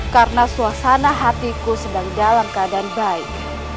karena suasana hatiku sedang dalam keadaan baik